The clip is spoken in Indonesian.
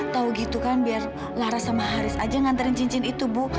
tau gitu kan biar laras sama haris aja ngantarin cincin itu bu